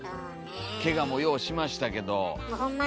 けがもようしましたけど。